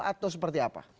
atau seperti apa